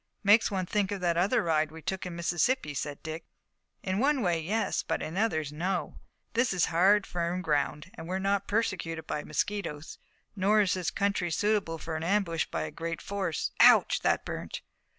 "Makes one think of that other ride we took in Mississippi," said Dick. "In one way, yes, but in others, no. This is hard, firm ground, and we're not persecuted by mosquitoes. Nor is the country suitable for an ambush by a great force. Ouch, that burnt!"